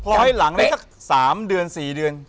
พล้อยหลังเลยสามเดือนสี่เดือน